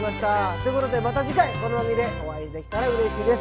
ということでまた次回この番組でお会いできたらうれしいです。